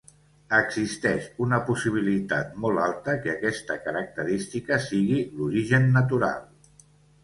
Existeix una possibilitat molt alta que aquesta característica sigui l"origen natural.